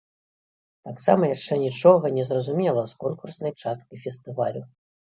Таксама яшчэ нічога не зразумела з конкурснай часткай фестывалю.